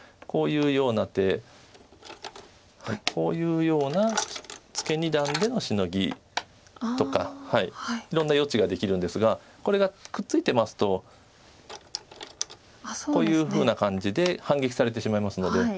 こういうような手こういうようなツケ二段でのシノギとかいろんな余地ができるんですがこれがくっついてますとこういうふうな感じで反撃されてしまいますので。